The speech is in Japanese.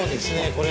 これ。